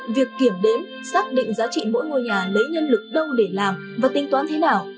việc kiểm đếm xác định giá trị mỗi ngôi nhà lấy nhân lực đâu để làm và tính toán thế nào